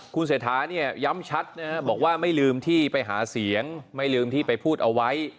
คุณเศรษฐาเนี่ยย้ำชัดนะครับบอกว่าไม่ลืมที่ไปหาเสียงไม่ลืมที่ไปพูดเอาไว้